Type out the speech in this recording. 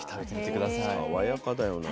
これ爽やかだよな。